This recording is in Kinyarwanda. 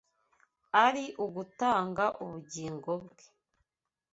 ari ugutanga ubugingo bwe